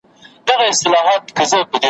چي اشرف د مخلوقاتو د سبحان دی ,